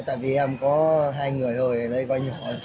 tại vì em có hai người rồi lấy gói nhỏ trước thôi